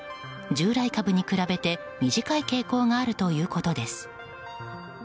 従来株に比べて短い傾向があるということです。